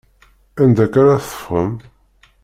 Anda akka ara teffɣem?